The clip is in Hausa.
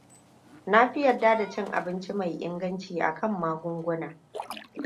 Nafi yadda da cin abinci mai inganci akan magunguna.